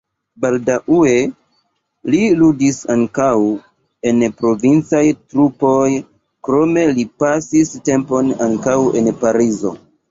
Baldaŭe li ludis ankaŭ en provincaj trupoj, krome li pasis tempon ankaŭ en Parizo.